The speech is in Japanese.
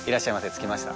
着きました。